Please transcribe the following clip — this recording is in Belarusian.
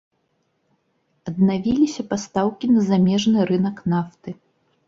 Аднавіліся пастаўкі на замежны рынак нафты.